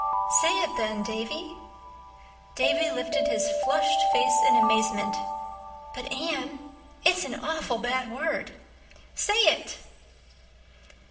"Say it then, Davy." Davy lifted his flushed face in amazement. "But, Anne, it's an awful bad word." "_Say it!